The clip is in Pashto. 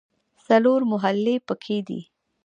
څلور محلې په کې دي.